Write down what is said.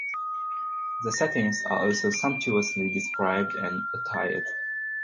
The settings are also sumptuously described and attired.